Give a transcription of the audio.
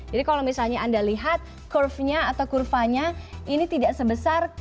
jadi kalau misalnya anda lihat curve nya atau kurvanya ini tidak sebesar